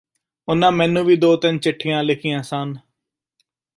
ਉਨ੍ਹਾਂ ਮੈਨੂੰ ਵੀ ਦੋ ਤਿੰਨ ਚਿੱਠੀਆਂ ਲਿਖੀਆਂ ਸਨ